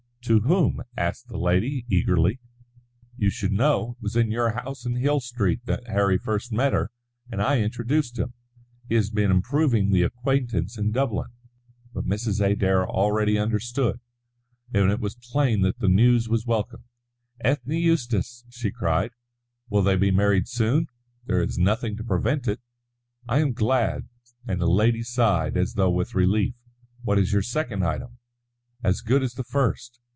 "To whom?" asked the lady, eagerly. "You should know. It was in your house in Hill Street that Harry first met her; and I introduced him. He has been improving the acquaintance in Dublin." But Mrs. Adair already understood; and it was plain that the news was welcome. "Ethne Eustace!" she cried. "They will be married soon?" "There is nothing to prevent it." "I am glad," and the lady sighed as though with relief. "What is your second item?" "As good as the first.